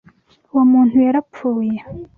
Uwo muntu yarapfuye.